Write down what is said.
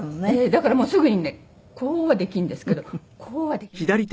だからもうすぐにねこうはできるんですけどこうはできなかったですよ。